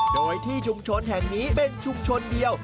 โดยที่ชุมชนแห่งนี้เป็นชุมชนเดียว